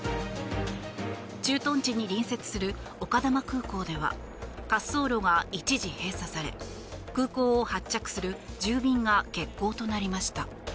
駐屯地に隣接する丘珠空港では滑走路が一時閉鎖され空港を発着する１０便が欠航となりました。